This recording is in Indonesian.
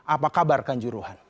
apa kabar kan juruhan